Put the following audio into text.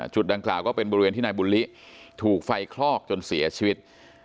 ดังกล่าวก็เป็นบริเวณที่นายบุญลิถูกไฟคลอกจนเสียชีวิต